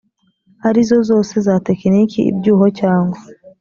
arizo zose za tekiniki ibyuho cyangwa